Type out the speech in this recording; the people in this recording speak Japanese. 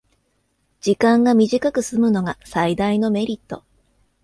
時間が短くすむのが最大のメリット